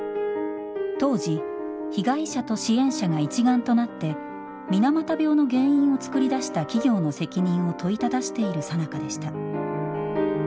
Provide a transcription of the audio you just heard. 当時被害者と支援者が一丸となって水俣病の原因を作り出した企業の責任を問いただしているさなかでした。